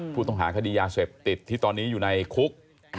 ผู้ต้องหาคดียาเสพติดที่ตอนนี้อยู่ในคุก